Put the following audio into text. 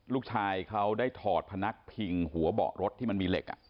ลูกชายเขาได้ถอดพนักพิงหัวเบาะรถที่มันมีเหล็ก